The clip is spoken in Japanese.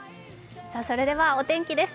それではお天気です。